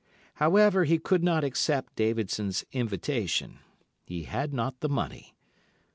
However, he could not accept Davidson's invitation. He had not the money.